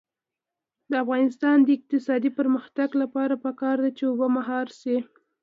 د افغانستان د اقتصادي پرمختګ لپاره پکار ده چې اوبه مهار شي.